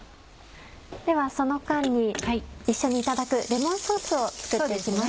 ではその間に一緒にいただくレモンソースを作って行きます。